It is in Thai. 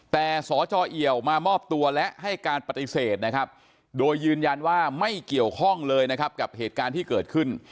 แต่สจเอี่ยวมามอบตัวและให้การปฏิเสธนะครับโดยยืนยันว่าไม่เกี่ยวข้องเลยนะครับกับเหตุการณ์ที่เกิดขึ้น